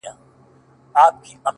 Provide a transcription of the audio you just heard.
خير دی; زه داسي یم; چي داسي نه وم;